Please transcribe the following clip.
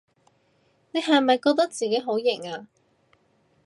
你係咪覺得自己好型吖？